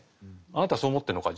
「あなたそう思ってるのか。